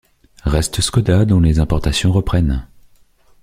Reste Skoda, dont les importations reprennent.